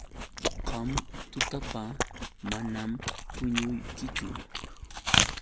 Qam tutapa manam puñuykichu.